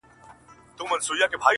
ځوانیمرګي ځوانۍ ځه مخته دي ښه شه!!